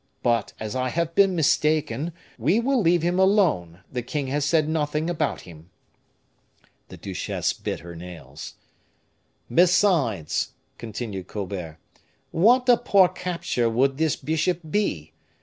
But as I have been mistaken, we will leave him alone; the king has said nothing about him." The duchesse bit her nails. "Besides," continued Colbert, "what a poor capture would this bishop be!